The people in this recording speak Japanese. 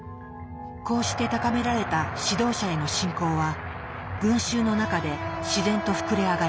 こうして高められた指導者への信仰は群衆の中で自然と膨れ上がります。